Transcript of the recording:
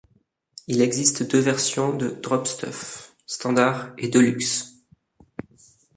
Il existe deux versions de DropStuff : Standard et Deluxe.